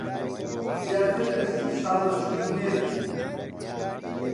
زیاتر لە سی ساڵە ژن و مێردین.